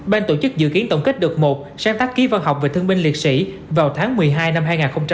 ban tổ chức dự kiến tổng kết đợt một sáng tác ký văn học về thương binh liệt sĩ vào tháng một mươi hai năm hai nghìn hai mươi